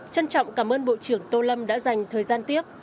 trân trọng cảm ơn bộ trưởng tô lâm đã dành thời gian tiếp